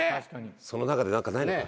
その中で何かないのか？